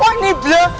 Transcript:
wah ini bleh